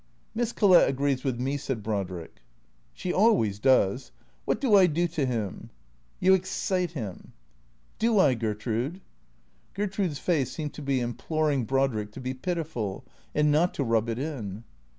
" Miss Collett agrees with me," said Brodrick. " She always does. What do I do to him ?"" You excite him." "Do I, Gertrude?" Gertrude's face seemed to be imploring Brodrick to be pitiful^ and not to rub it in.